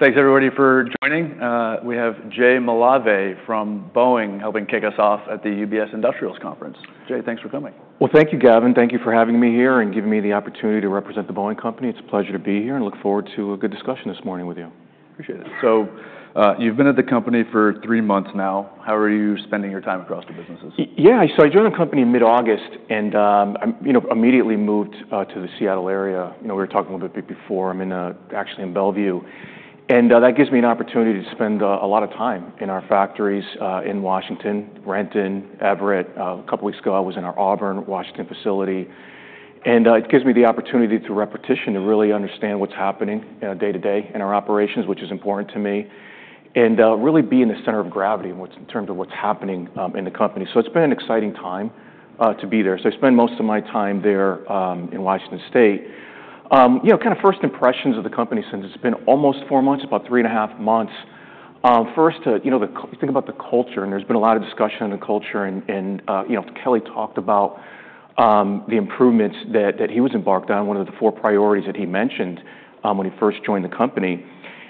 Thanks, everybody, for joining. We have Jay Malave from Boeing helping kick us off at the UBS Industrials Conference. Jay, thanks for coming. Thank you, Gavin. Thank you for having me here and giving me the opportunity to represent The Boeing Company. It's a pleasure to be here and look forward to a good discussion this morning with you. Appreciate it. You have been at the company for three months now. How are you spending your time across the businesses? Yeah, so I joined the company in mid-August and immediately moved to the Seattle area. We were talking a little bit before. I'm actually in Bellevue. That gives me an opportunity to spend a lot of time in our factories in Washington, Renton, Everett. A couple of weeks ago, I was in our Auburn, Washington, facility. It gives me the opportunity to repetition, to really understand what's happening day to day in our operations, which is important to me, and really be in the center of gravity in terms of what's happening in the company. It's been an exciting time to be there. I spend most of my time there in Washington State. Kind of first impressions of the company since it's been almost four months, about three and a half months. First, you think about the culture, and there's been a lot of discussion on the culture. Kelly talked about the improvements that he was embarked on, one of the four priorities that he mentioned when he first joined the company.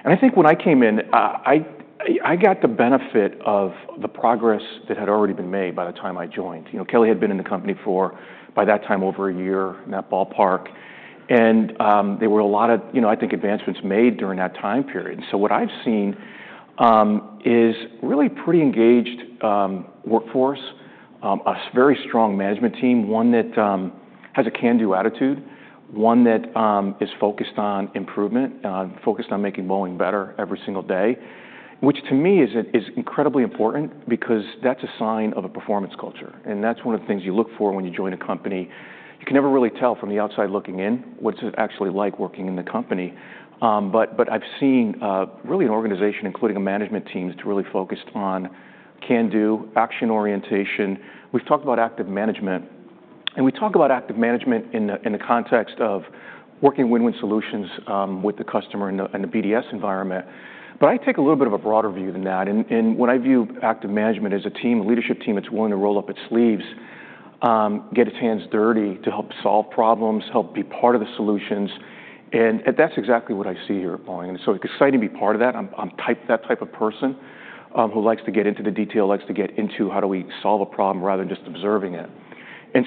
I think when I came in, I got the benefit of the progress that had already been made by the time I joined. Kelly had been in the company for, by that time, over a year, in that ballpark. There were a lot of, I think, advancements made during that time period. What I've seen is really a pretty engaged workforce, a very strong management team, one that has a can-do attitude, one that is focused on improvement, focused on making Boeing better every single day, which to me is incredibly important because that's a sign of a performance culture. That is one of the things you look for when you join a company. You can never really tell from the outside looking in what it is actually like working in the company. I have seen really an organization, including a management team, that is really focused on can-do, action orientation. We have talked about active management. We talk about active management in the context of working win-win solutions with the customer in the BDS environment. I take a little bit of a broader view than that. I view active management as a team, a leadership team that is willing to roll up its sleeves, get its hands dirty to help solve problems, help be part of the solutions. That is exactly what I see here at Boeing. It is exciting to be part of that. I'm that type of person who likes to get into the detail, likes to get into how do we solve a problem rather than just observing it.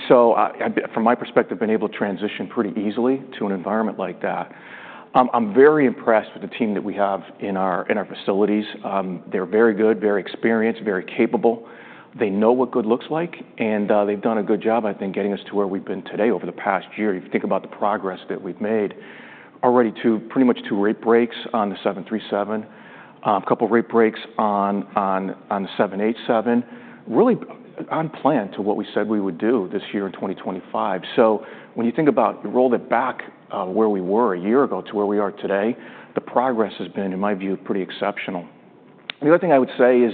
From my perspective, I've been able to transition pretty easily to an environment like that. I'm very impressed with the team that we have in our facilities. They're very good, very experienced, very capable. They know what good looks like. They've done a good job, I think, getting us to where we've been today over the past year. You think about the progress that we've made already to pretty much two rate breaks on the 737, a couple of rate breaks on the 787, really on plan to what we said we would do this year in 2025. When you think about rolling it back where we were a year ago to where we are today, the progress has been, in my view, pretty exceptional. The other thing I would say is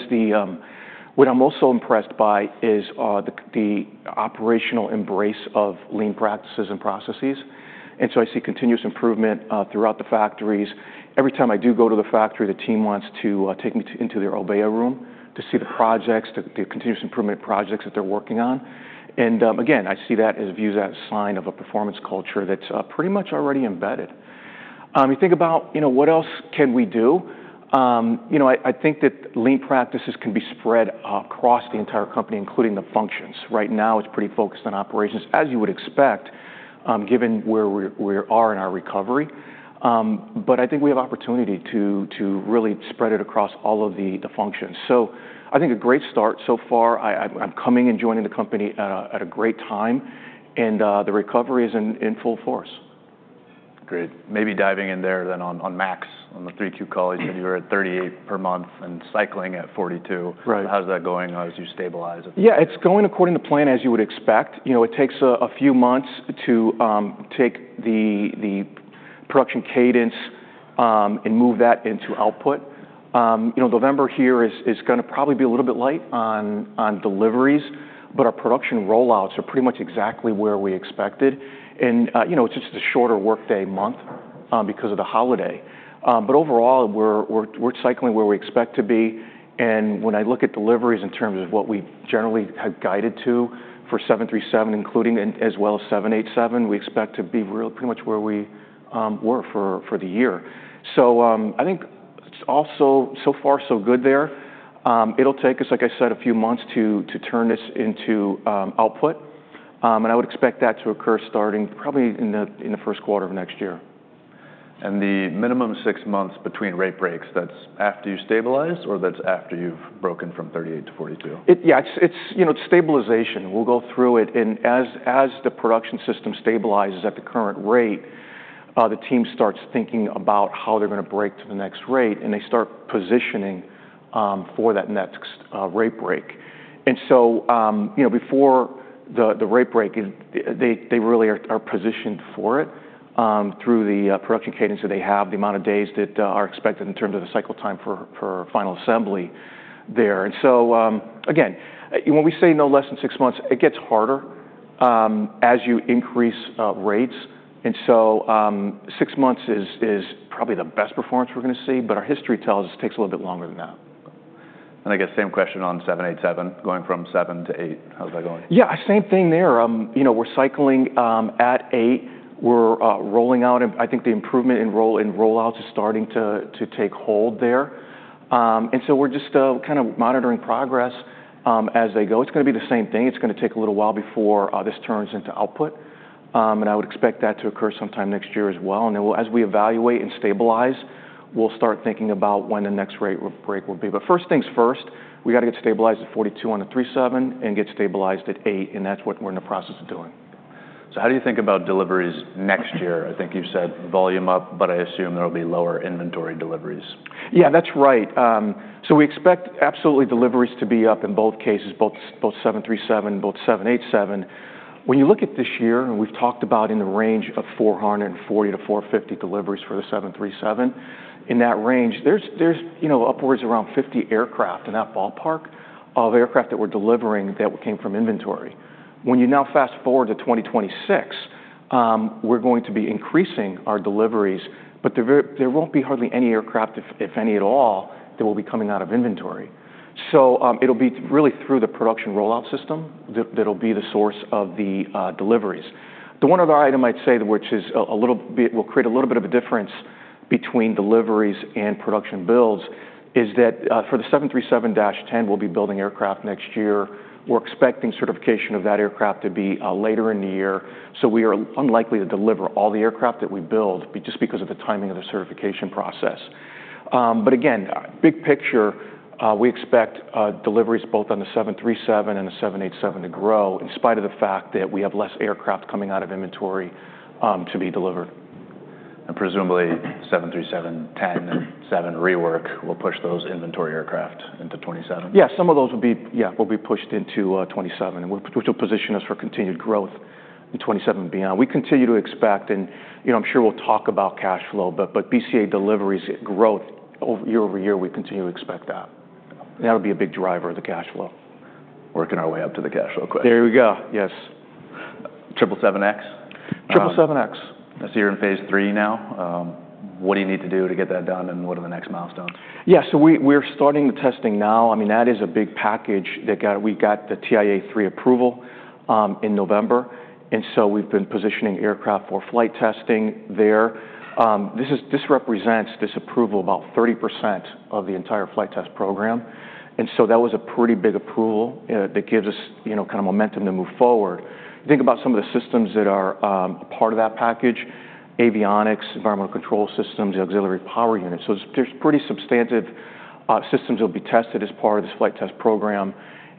what I'm also impressed by is the operational embrace of lean practices and processes. I see continuous improvement throughout the factories. Every time I do go to the factory, the team wants to take me into their Obeya room to see the projects, the continuous improvement projects that they're working on. I see that as viewed as a sign of a performance culture that's pretty much already embedded. You think about what else can we do. I think that lean practices can be spread across the entire company, including the functions. Right now, it's pretty focused on operations, as you would expect, given where we are in our recovery. I think we have opportunity to really spread it across all of the functions. I think a great start so far. I'm coming and joining the company at a great time. The recovery is in full force. Great. Maybe diving in there then on Max, on the 32 call, you said you were at 38 per month and cycling at 42. How's that going as you stabilize? Yeah, it's going according to plan, as you would expect. It takes a few months to take the production cadence and move that into output. November here is going to probably be a little bit light on deliveries, but our production rollouts are pretty much exactly where we expected. It's just a shorter workday month because of the holiday. Overall, we're cycling where we expect to be. When I look at deliveries in terms of what we generally have guided to for 737, including as well as 787, we expect to be pretty much where we were for the year. I think it's also so far so good there. It'll take us, like I said, a few months to turn this into output. I would expect that to occur starting probably in the first quarter of next year. Is the minimum six months between rate breaks after you stabilize or is that after you've broken from 38-42? Yeah, it's stabilization. We'll go through it. As the production system stabilizes at the current rate, the team starts thinking about how they're going to break to the next rate, and they start positioning for that next rate break. Before the rate break, they really are positioned for it through the production cadence that they have, the amount of days that are expected in terms of the cycle time for final assembly there. Again, when we say no less than six months, it gets harder as you increase rates. Six months is probably the best performance we're going to see. Our history tells us it takes a little bit longer than that. I guess same question on 787, going from seven to eight. How's that going? Yeah, same thing there. We're cycling at eight. We're rolling out. I think the improvement in rollouts is starting to take hold there. We're just kind of monitoring progress as they go. It's going to be the same thing. It's going to take a little while before this turns into output. I would expect that to occur sometime next year as well. As we evaluate and stabilize, we'll start thinking about when the next rate break will be. First things first, we got to get stabilized at forty-two on the 737 and get stabilized at eight. That's what we're in the process of doing. How do you think about deliveries next year? I think you said volume up, but I assume there will be lower inventory deliveries. Yeah, that's right. We expect absolutely deliveries to be up in both cases, both 737 and both 787. When you look at this year, and we've talked about in the range of 440-450 deliveries for the 737. In that range, there's upwards around 50 aircraft in that ballpark of aircraft that we're delivering that came from inventory. When you now fast forward to 2026, we're going to be increasing our deliveries, but there won't be hardly any aircraft, if any at all, that will be coming out of inventory. It'll be really through the production rollout system that'll be the source of the deliveries. The one other item I'd say, which will create a little bit of a difference between deliveries and production builds, is that for the 737-10, we'll be building aircraft next year. We're expecting certification of that aircraft to be later in the year. We are unlikely to deliver all the aircraft that we build just because of the timing of the certification process. Again, big picture, we expect deliveries both on the 737 and the 787 to grow in spite of the fact that we have less aircraft coming out of inventory to be delivered. Presumably 737-10 and 7 rework will push those inventory aircraft into 2027. Yeah, some of those will be pushed into 2027, which will position us for continued growth in 2027 and beyond. We continue to expect, and I'm sure we'll talk about cash flow, but BCA deliveries growth year over year, we continue to expect that. That'll be a big driver of the cash flow. Working our way up to the cash flow question. There we go. Yes. Triple 7X? Triple 7X. I see you're in phase three now. What do you need to do to get that done, and what are the next milestones? Yeah, so we're starting the testing now. I mean, that is a big package. We got the TIA-3 approval in November. We have been positioning aircraft for flight testing there. This approval represents about 30% of the entire flight test program. That was a pretty big approval that gives us kind of momentum to move forward. Think about some of the systems that are part of that package: avionics, environmental control systems, auxiliary power units. There are pretty substantive systems that will be tested as part of this flight test program.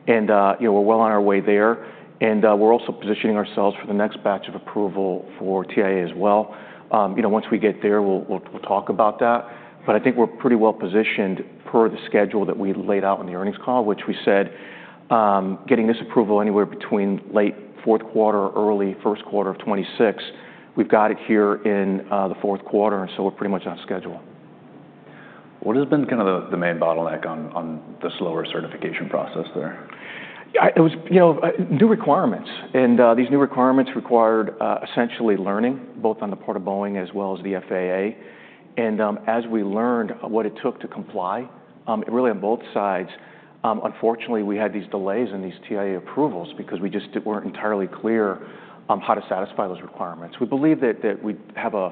We're well on our way there. We're also positioning ourselves for the next batch of approval for TIA as well. Once we get there, we'll talk about that. I think we're pretty well positioned per the schedule that we laid out in the earnings call, which we said getting this approval anywhere between late fourth quarter or early first quarter of 2026. We've got it here in the fourth quarter, and so we're pretty much on schedule. What has been kind of the main bottleneck on the slower certification process there? It was new requirements. These new requirements required essentially learning both on the part of Boeing as well as the FAA. As we learned what it took to comply, really on both sides, unfortunately, we had these delays in these TIA approvals because we just were not entirely clear on how to satisfy those requirements. We believe that we have a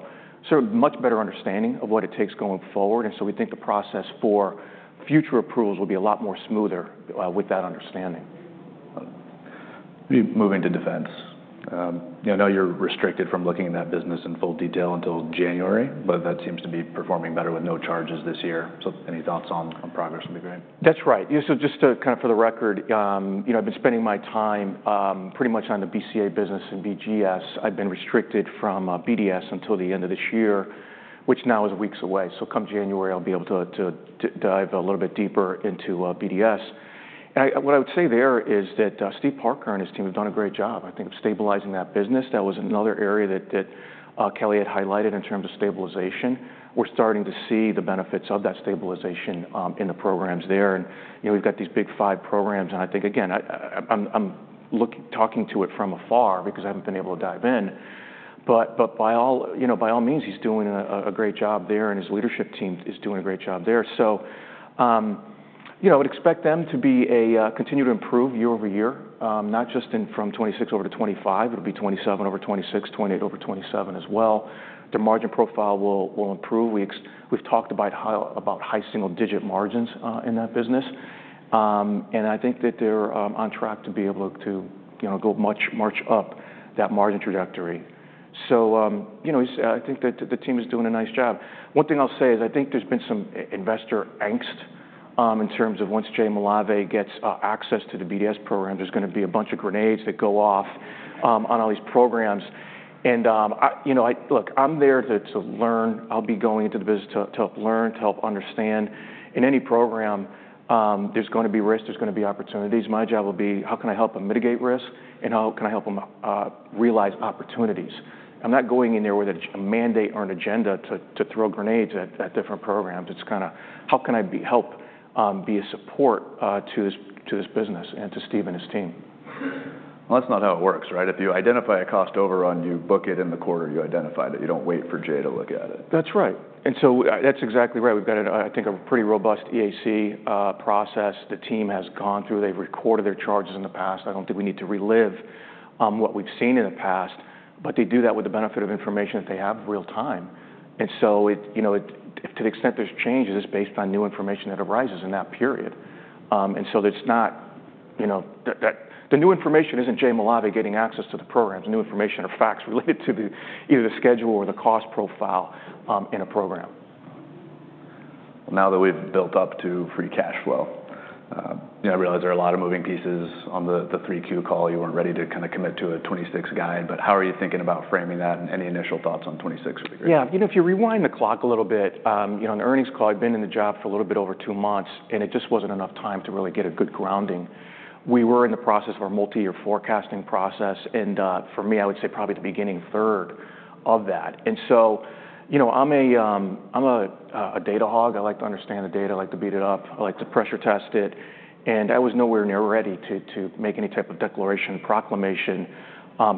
much better understanding of what it takes going forward. We think the process for future approvals will be a lot more smoother with that understanding. Moving to defense. I know you're restricted from looking at that business in full detail until January, but that seems to be performing better with no charges this year. Any thoughts on progress would be great. That's right. Just kind of for the record, I've been spending my time pretty much on the BCA business and BGS. I've been restricted from BDS until the end of this year, which now is weeks away. Come January, I'll be able to dive a little bit deeper into BDS. What I would say there is that Steve Parker and his team have done a great job, I think, of stabilizing that business. That was another area that Kelly had highlighted in terms of stabilization. We're starting to see the benefits of that stabilization in the programs there. We've got these big five programs. I think, again, I'm talking to it from afar because I haven't been able to dive in. By all means, he's doing a great job there, and his leadership team is doing a great job there. I would expect them to continue to improve year over year, not just from 2026 over to 2025. It will be 2027 over 2026, 2028 over 2027 as well. Their margin profile will improve. We have talked about high single-digit margins in that business. I think that they are on track to be able to go much up that margin trajectory. I think that the team is doing a nice job. One thing I will say is I think there has been some investor angst in terms of once Jay Malave gets access to the BDS program, there is going to be a bunch of grenades that go off on all these programs. Look, I am there to learn. I will be going into the business to help learn, to help understand. In any program, there is going to be risk. There is going to be opportunities. My job will be, how can I help them mitigate risk, and how can I help them realize opportunities? I'm not going in there with a mandate or an agenda to throw grenades at different programs. It's kind of, how can I help be a support to this business and to Steve and his team? That's not how it works, right? If you identify a cost overrun, you book it in the quarter you identified it. You don't wait for Jay to look at it. That's right. That's exactly right. We've got, I think, a pretty robust EAC process the team has gone through. They've recorded their charges in the past. I don't think we need to relive what we've seen in the past. They do that with the benefit of information that they have real time. To the extent there's changes, it's based on new information that arises in that period. It's not the new information isn't Jay Malave getting access to the programs. New information are facts related to either the schedule or the cost profile in a program. Now that we've built up to free cash flow, I realize there are a lot of moving pieces on the 3Q call. You weren't ready to kind of commit to a 2026 guide. How are you thinking about framing that? Any initial thoughts on 2026 would be great. Yeah, if you rewind the clock a little bit, on the earnings call, I've been in the job for a little bit over two months, and it just was not enough time to really get a good grounding. We were in the process of our multi-year forecasting process. For me, I would say probably the beginning third of that. I am a data hog. I like to understand the data. I like to beat it up. I like to pressure test it. I was nowhere near ready to make any type of declaration, proclamation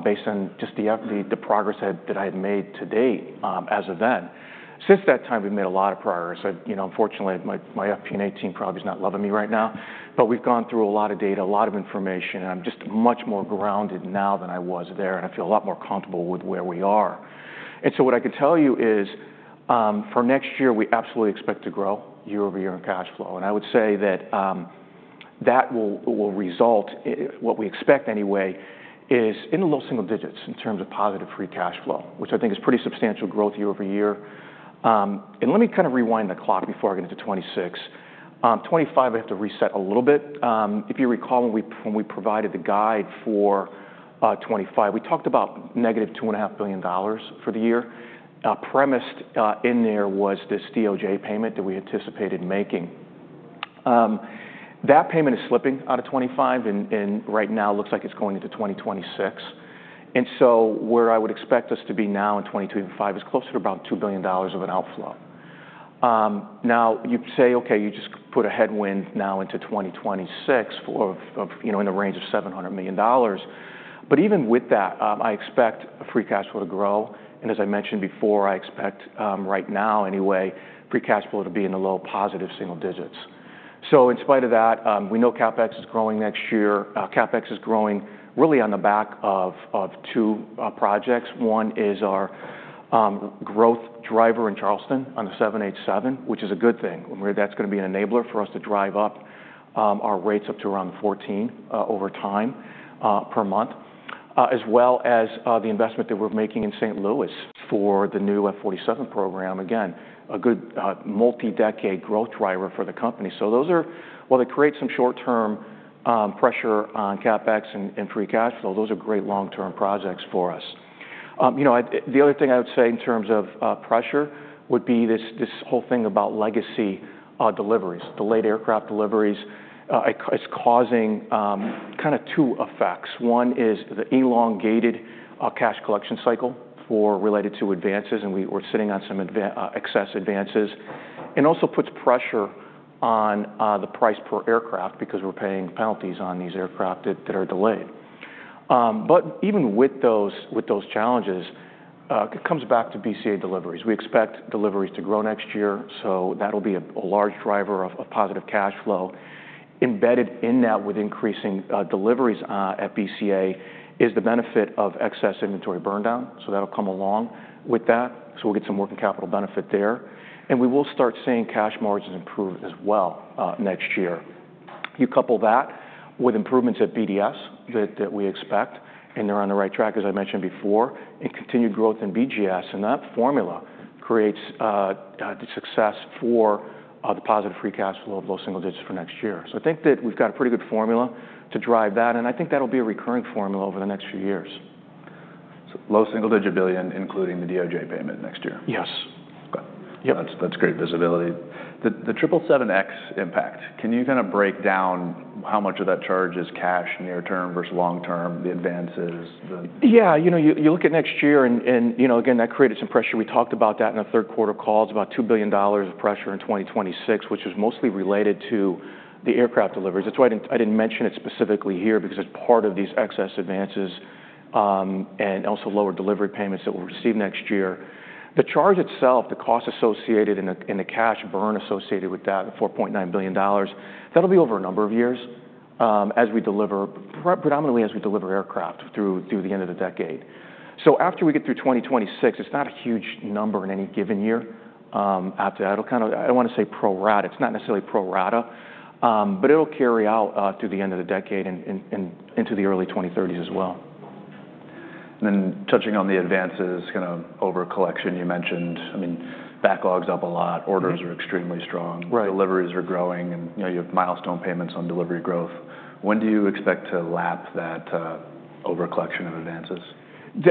based on just the progress that I had made to date as of then. Since that time, we have made a lot of progress. Unfortunately, my FP&A team probably is not loving me right now. We have gone through a lot of data, a lot of information. I'm just much more grounded now than I was there. I feel a lot more comfortable with where we are. What I can tell you is for next year, we absolutely expect to grow year over year in cash flow. I would say that that will result, what we expect anyway, is in the low single digits in terms of positive free cash flow, which I think is pretty substantial growth year over year. Let me kind of rewind the clock before I get into 2026. 2025, I have to reset a little bit. If you recall, when we provided the guide for 2025, we talked about negative $2.5 billion for the year. Premised in there was this Department of Justice payment that we anticipated making. That payment is slipping out of 2025. Right now, it looks like it's going into 2026. Where I would expect us to be now in 2025 is closer to about $2 billion of an outflow. You say, okay, you just put a headwind now into 2026 in the range of $700 million. Even with that, I expect free cash flow to grow. As I mentioned before, I expect right now anyway, free cash flow to be in the low positive single digits. In spite of that, we know CapEx is growing next year. CapEx is growing really on the back of two projects. One is our growth driver in Charleston on the 787, which is a good thing. That is going to be an enabler for us to drive up our rates up to around 14 over time per month, as well as the investment that we are making in St. Louis for the new F-47 program. Again, a good multi-decade growth driver for the company. Those are, while they create some short-term pressure on CapEx and free cash flow, great long-term projects for us. The other thing I would say in terms of pressure would be this whole thing about legacy deliveries, delayed aircraft deliveries. It's causing kind of two effects. One is the elongated cash collection cycle related to advances. We're sitting on some excess advances. It also puts pressure on the price per aircraft because we're paying penalties on these aircraft that are delayed. Even with those challenges, it comes back to BCA deliveries. We expect deliveries to grow next year. That will be a large driver of positive cash flow. Embedded in that with increasing deliveries at BCA is the benefit of excess inventory burndown. That will come along with that. We will get some working capital benefit there. We will start seeing cash margins improve as well next year. You couple that with improvements at BDS that we expect, and they are on the right track, as I mentioned before, and continued growth in BGS. That formula creates the success for the positive free cash flow of low single digits for next year. I think that we have got a pretty good formula to drive that. I think that will be a recurring formula over the next few years. Low single digit billion, including the DOJ payment next year. Yes. That's great visibility. The 777X impact, can you kind of break down how much of that charge is cash near term versus long term, the advances? Yeah, you look at next year. Again, that created some pressure. We talked about that in a third quarter call. It's about $2 billion of pressure in 2026, which is mostly related to the aircraft deliveries. That's why I didn't mention it specifically here because it's part of these excess advances and also lower delivery payments that we'll receive next year. The charge itself, the cost associated and the cash burn associated with that, the $4.9 billion, that'll be over a number of years as we deliver, predominantly as we deliver aircraft through the end of the decade. After we get through 2026, it's not a huge number in any given year. After that, it'll kind of, I don't want to say pro rata, it's not necessarily pro rata, but it'll carry out through the end of the decade and into the early 2030s as well. Touching on the advances, kind of over collection, you mentioned, I mean, backlog's up a lot. Orders are extremely strong. Deliveries are growing. And you have milestone payments on delivery growth. When do you expect to lap that over collection of advances?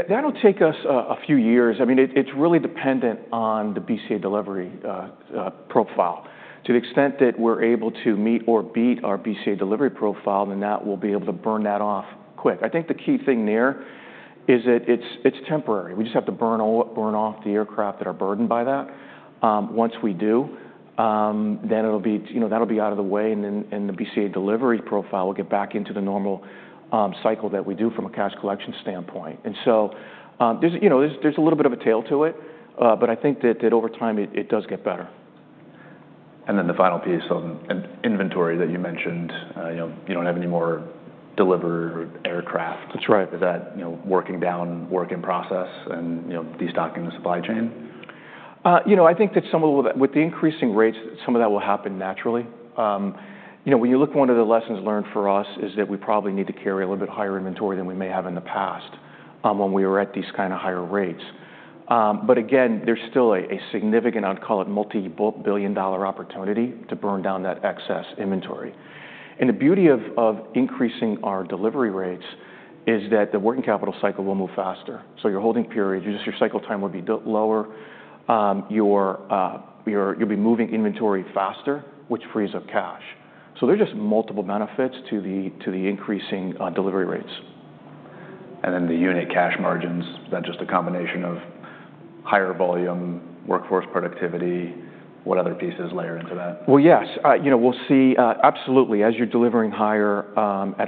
That'll take us a few years. I mean, it's really dependent on the BCA delivery profile. To the extent that we're able to meet or beat our BCA delivery profile, then that will be able to burn that off quick. I think the key thing there is that it's temporary. We just have to burn off the aircraft that are burdened by that. Once we do, then that'll be out of the way. The BCA delivery profile will get back into the normal cycle that we do from a cash collection standpoint. There's a little bit of a tail to it. I think that over time, it does get better. The final piece on inventory that you mentioned, you do not have any more delivered aircraft. That's right. Is that working down work in process and destocking the supply chain? I think that some of the, with the increasing rates, some of that will happen naturally. When you look at one of the lessons learned for us is that we probably need to carry a little bit higher inventory than we may have in the past when we were at these kind of higher rates. Again, there's still a significant, I'd call it multi-billion dollar opportunity to burn down that excess inventory. The beauty of increasing our delivery rates is that the working capital cycle will move faster. Your holding periods, your cycle time will be lower. You'll be moving inventory faster, which frees up cash. There are just multiple benefits to the increasing delivery rates. The unit cash margins, is that just a combination of higher volume, workforce productivity? What other pieces layer into that? Yes. We'll see, absolutely. As you're delivering at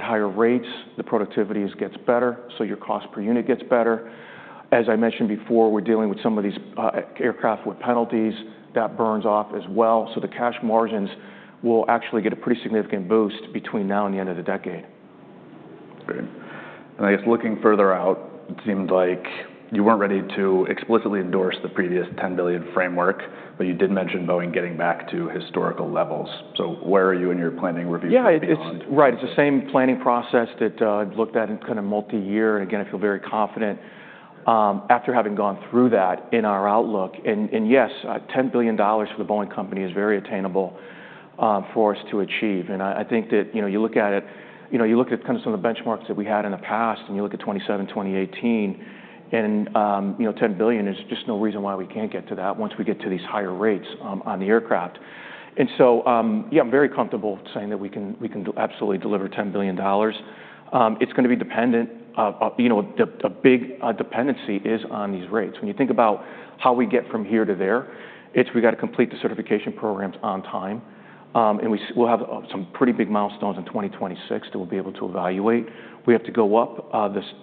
higher rates, the productivity gets better. Your cost per unit gets better. As I mentioned before, we're dealing with some of these aircraft with penalties. That burns off as well. The cash margins will actually get a pretty significant boost between now and the end of the decade. Great. I guess looking further out, it seemed like you were not ready to explicitly endorse the previous $10 billion framework, but you did mention Boeing getting back to historical levels. Where are you in your planning review? Yeah, right. It's the same planning process that I've looked at in kind of multi-year. Again, I feel very confident after having gone through that in our outlook. Yes, $10 billion for The Boeing Company is very attainable for us to achieve. I think that you look at it, you look at kind of some of the benchmarks that we had in the past, and you look at 2017, 2018. $10 billion is just no reason why we can't get to that once we get to these higher rates on the aircraft. Yeah, I'm very comfortable saying that we can absolutely deliver $10 billion. It's going to be dependent. A big dependency is on these rates. When you think about how we get from here to there, we got to complete the certification programs on time. We will have some pretty big milestones in 2026 that we will be able to evaluate. We have to go up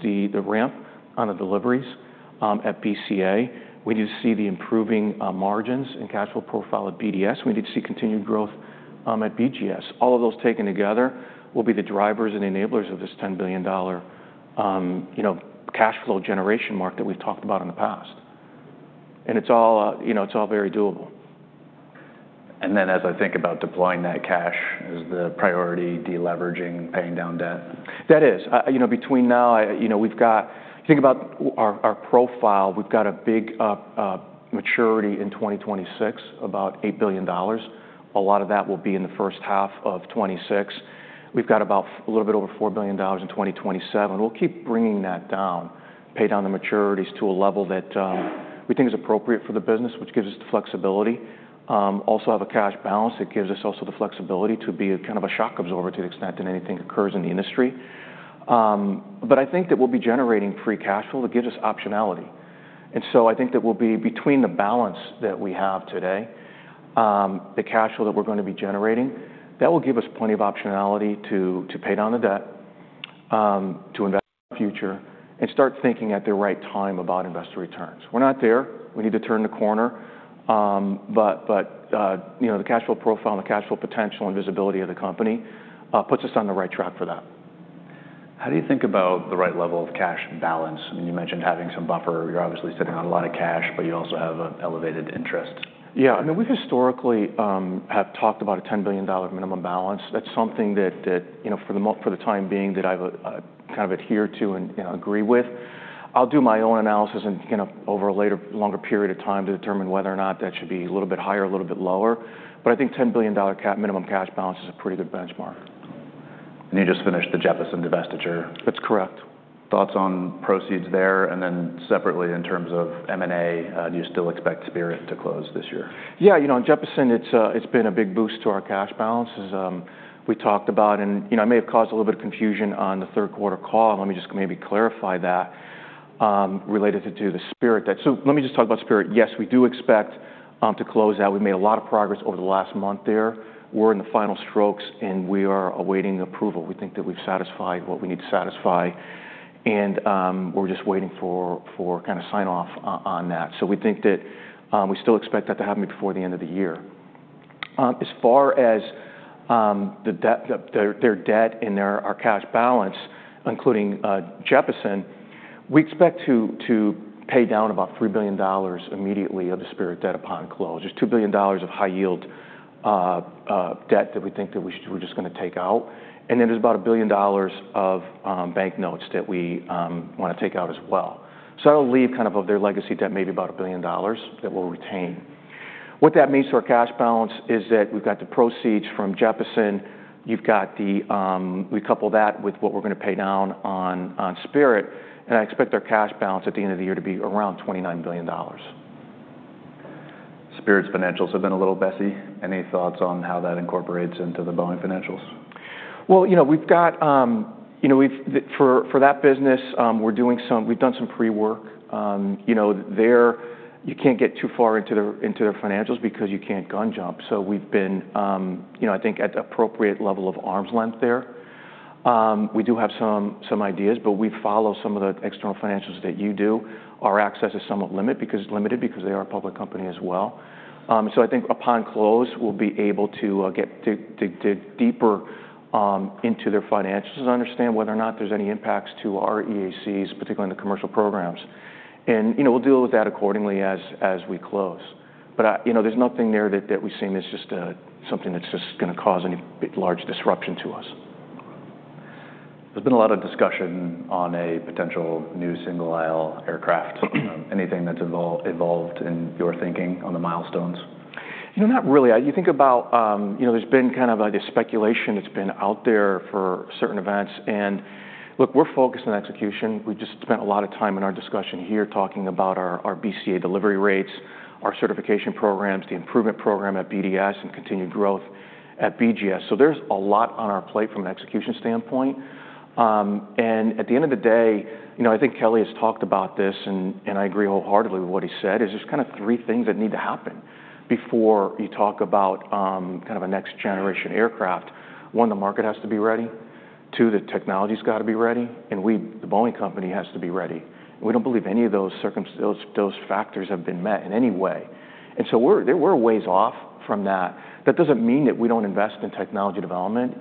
the ramp on the deliveries at BCA. We need to see the improving margins and cash flow profile at BDS. We need to see continued growth at BGS. All of those taken together will be the drivers and enablers of this $10 billion cash flow generation mark that we have talked about in the past. It is all very doable. As I think about deploying that cash, is the priority deleveraging, paying down debt? That is. Between now, we've got, you think about our profile, we've got a big maturity in 2026, about $8 billion. A lot of that will be in the first half of 2026. We've got about a little bit over $4 billion in 2027. We'll keep bringing that down, pay down the maturities to a level that we think is appropriate for the business, which gives us the flexibility. Also have a cash balance that gives us also the flexibility to be kind of a shock absorber to the extent that anything occurs in the industry. I think that we'll be generating free cash flow that gives us optionality. I think that we'll be between the balance that we have today, the cash flow that we're going to be generating, that will give us plenty of optionality to pay down the debt, to invest in the future, and start thinking at the right time about investor returns. We're not there. We need to turn the corner. The cash flow profile and the cash flow potential and visibility of the company puts us on the right track for that. How do you think about the right level of cash balance? I mean, you mentioned having some buffer. You're obviously sitting on a lot of cash, but you also have an elevated interest. Yeah. I mean, we've historically talked about a $10 billion minimum balance. That's something that for the time being that I've kind of adhered to and agree with. I'll do my own analysis and kind of over a later longer period of time to determine whether or not that should be a little bit higher, a little bit lower. I think $10 billion minimum cash balance is a pretty good benchmark. You just finished the Jeppesen divestiture. That's correct. Thoughts on proceeds there? Then separately in terms of M&A, do you still expect Spirit to close this year? Yeah. You know, in Jeppesen, it's been a big boost to our cash balances. We talked about, and I may have caused a little bit of confusion on the third quarter call. Let me just maybe clarify that related to the Spirit that, let me just talk about Spirit. Yes, we do expect to close that. We made a lot of progress over the last month there. We're in the final strokes, and we are awaiting approval. We think that we've satisfied what we need to satisfy. We're just waiting for kind of sign-off on that. We think that we still expect that to happen before the end of the year. As far as their debt and our cash balance, including Jeppesen, we expect to pay down about $3 billion immediately of the Spirit debt upon close. There's $2 billion of high yield debt that we think that we're just going to take out. Then there's about $1 billion of bank notes that we want to take out as well. That'll leave kind of their legacy debt, maybe about $1 billion that we'll retain. What that means to our cash balance is that we've got the proceeds from Jeppesen. You couple that with what we're going to pay down on Spirit. I expect our cash balance at the end of the year to be around $29 billion. Spirit's financials have been a little messy. Any thoughts on how that incorporates into the Boeing financials? You know, we've got, for that business, we're doing some, we've done some pre-work. You can't get too far into their financials because you can't gun jump. We've been, I think, at the appropriate level of arm's length there. We do have some ideas, but we follow some of the external financials that you do. Our access is somewhat limited because they are a public company as well. I think upon close, we'll be able to get deeper into their financials and understand whether or not there's any impacts to our EACs, particularly in the commercial programs. We'll deal with that accordingly as we close. There's nothing there that we've seen that's just something that's just going to cause any large disruption to us. There's been a lot of discussion on a potential new single aisle aircraft. Anything that's evolved in your thinking on the milestones? You know, not really. You think about, there's been kind of a speculation that's been out there for certain events. Look, we're focused on execution. We've just spent a lot of time in our discussion here talking about our BCA delivery rates, our certification programs, the improvement program at BDS, and continued growth at BGS. There's a lot on our plate from an execution standpoint. At the end of the day, I think Kelly has talked about this, and I agree wholeheartedly with what he said, is there's kind of three things that need to happen before you talk about kind of a next generation aircraft. One, the market has to be ready. Two, the technology's got to be ready. And we, The Boeing Company, has to be ready. We don't believe any of those factors have been met in any way. We're a ways off from that. That doesn't mean that we don't invest in technology development.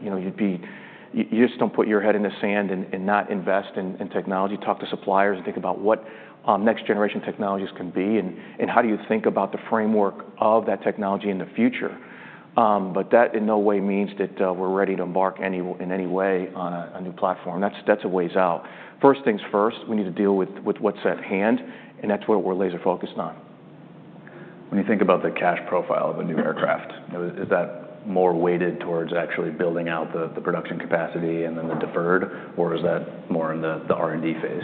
You just don't put your head in the sand and not invest in technology. Talk to suppliers and think about what next generation technologies can be and how do you think about the framework of that technology in the future. That in no way means that we're ready to embark in any way on a new platform. That's a ways out. First things first, we need to deal with what's at hand. That's what we're laser focused on. When you think about the cash profile of a new aircraft, is that more weighted towards actually building out the production capacity and then the deferred, or is that more in the R&D phase?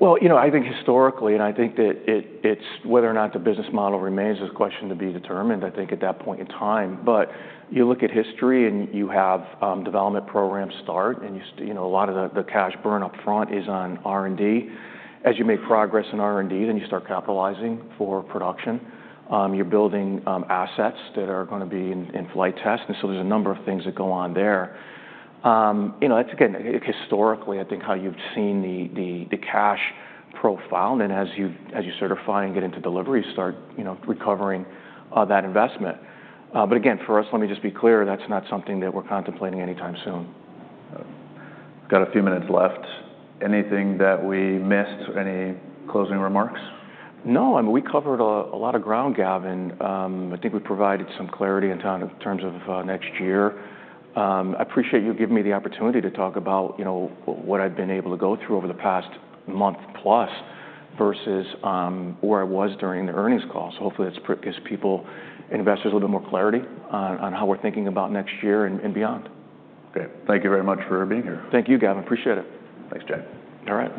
I think historically, and I think that it's whether or not the business model remains is a question to be determined, I think at that point in time. You look at history and you have development programs start, and a lot of the cash burn upfront is on R&D. As you make progress in R&D, then you start capitalizing for production. You're building assets that are going to be in flight test. There are a number of things that go on there. Again, historically, I think how you've seen the cash profile, and then as you certify and get into delivery, you start recovering that investment. For us, let me just be clear, that's not something that we're contemplating anytime soon. We've got a few minutes left. Anything that we missed? Any closing remarks? No. I mean, we covered a lot of ground, Gavin. I think we provided some clarity in terms of next year. I appreciate you giving me the opportunity to talk about what I've been able to go through over the past month plus versus where I was during the earnings call. Hopefully that gives people, investors, a little bit more clarity on how we're thinking about next year and beyond. Great. Thank you very much for being here. Thank you, Gavin. Appreciate it. Thanks, Jay. All right.